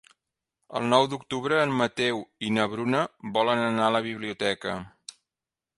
El nou d'octubre en Mateu i na Bruna volen anar a la biblioteca.